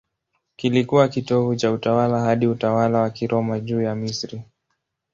Kilikuwa kitovu cha utawala hadi utawala wa Kiroma juu ya Misri.